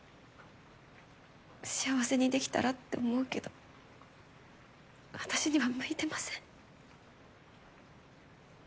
幸せにできたらって思うけど私には向いてません。